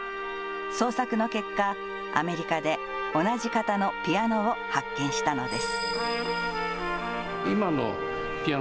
捜索の結果、アメリカで同じ型のピアノを発見したのです。